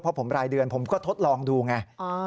เพราะผมรายเดือนผมก็ทดลองดูไง